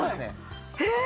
え！？